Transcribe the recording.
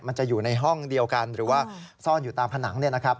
มันจะอยู่ในห้องเดียวกันหรือว่าซ่อนอยู่ตามผนังเนี่ยนะครับ